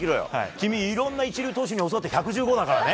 君、いろんな一流投手に教わって１１５キロだからね。